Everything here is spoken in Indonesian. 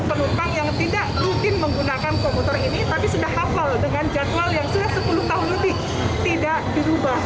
penumpang yang tidak rutin menggunakan komputer ini tapi sudah hafal dengan jadwal yang sudah sepuluh tahun lebih tidak dirubah